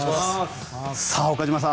岡島さん